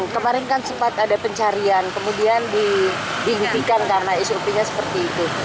kemarin kan sempat ada pencarian kemudian dihentikan karena sop nya seperti itu